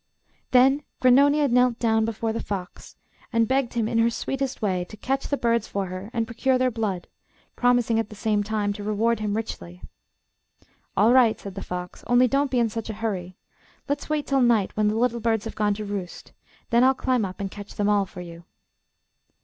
Then Grannonia knelt down before the fox, and begged him in her sweetest way to catch the birds for her and procure their blood, promising at the same time to reward him richly. 'All right,' said the fox, 'only don't be in such a hurry; let's wait till night, when the little birds have gone to roost, then I'll climb up and catch them all for you.